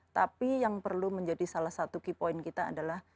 tapi yang perlu menjadi salah satu key point kita adalah